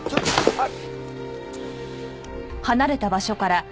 あっ！